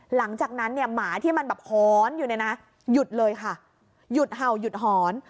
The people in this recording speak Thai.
หลังจากนั้นเนี่ยหมาที่มันแบบหอนอยู่เนี่ยนะหยุดเลยค่ะหยุดเห่าหยุดหอน